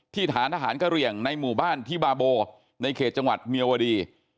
ฐานทหารกะเหลี่ยงในหมู่บ้านที่บาโบในเขตจังหวัดเมียวดี